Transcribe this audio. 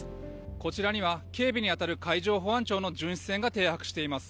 こちらには警備に当たる海上保安庁の巡視船が停泊しています。